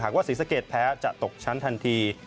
ว่าศรีสะเกดแพ้จะตกชั้นทันที